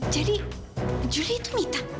jadi juli itu mita